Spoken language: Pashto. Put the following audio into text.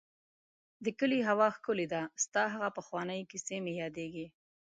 د کلي هوا ښکلې ده ، ستا هغه پخوانی کيسې مې ياديږي.